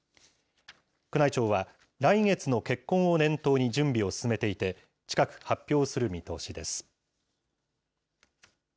宮内庁は来月の結婚を念頭に準備を進めていて、近く、発表する見通しです。